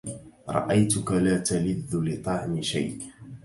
رأيتك لا تلذ لطعم شيء